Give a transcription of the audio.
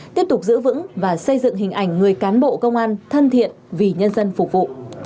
tiếp tục giữ vững và xây dựng hình ảnh người cán bộ công an thân thiện vì nhân dân phục vụ